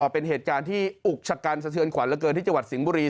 ออกเป็นเหตุการณ์ที่อุกฉะกันสเทือนขวานละเกินที่จวัดสิงบุรี